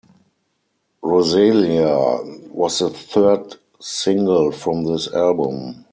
"Rosealia" was the third single from this album.